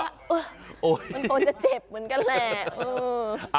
มันคงจะเจ็บเหมือนกันแหละ